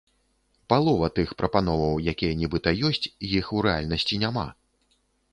Палова тых прапановаў, якія нібыта ёсць, іх у рэальнасці няма.